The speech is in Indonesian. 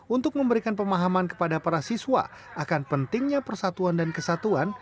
untuk memberikan pemahaman kepada para siswa akan pentingnya persatuan dan kesatuan